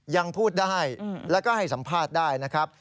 ยังพูดได้แล้วก็ให้สัมภาษณ์ได้นะครับ